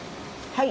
はい。